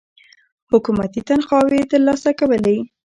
حکومتي تنخواوې تر لاسه کولې.